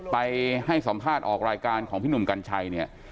ไปให้สอมฆาตออกรายการของพี่หนุ่มกัญชัย